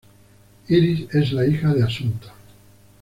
Iris es la hija de Asunta.